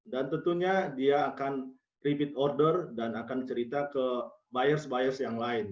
dan tentunya dia akan repeat order dan akan cerita ke buyers buyers yang lain